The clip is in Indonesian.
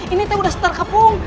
ini udah seter kepung